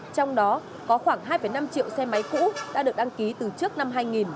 trong đó có khoảng hai năm triệu xe máy cũ đã được đăng ký từ trước năm hai nghìn